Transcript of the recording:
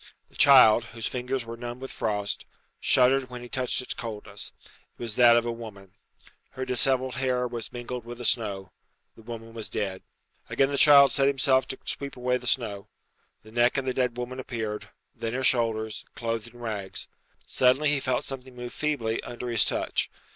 The child, whose fingers were numbed with frost, shuddered when he touched its coldness. It was that of a woman. Her dishevelled hair was mingled with the snow. The woman was dead. Again the child set himself to sweep away the snow. The neck of the dead woman appeared; then her shoulders, clothed in rags. Suddenly he felt something move feebly under his touch.